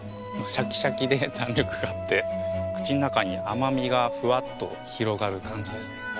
シャキシャキで弾力があって口の中に甘みがフワッと広がる感じですね。